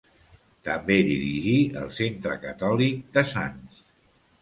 També dirigí el Centre Catòlic de Sants.